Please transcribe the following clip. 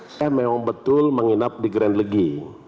saya memang betul menginap di grand legi